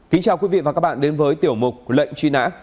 kính chào quý vị và các bạn đến với tiểu mục lệnh truy nã